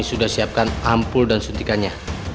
sudah siapkan ampul dan suntikannya